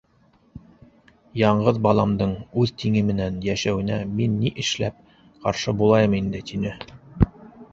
Яңғыҙ баламдың үҙ тиңе менән йәшәүенә мин ни эшләп ҡаршы булайым инде? — тине.